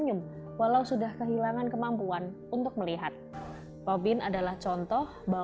jika indera penglihatan robin tak bisa melihat benda di sekitarnya